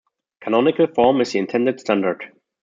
Canonical form is the intended standard.